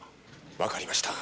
分かりました